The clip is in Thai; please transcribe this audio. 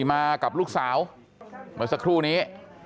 มากับลูกสาวเมื่อสักครู่นี้